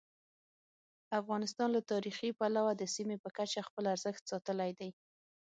افغانستان له تاریخي پلوه د سیمې په کچه خپل ارزښت ساتلی دی.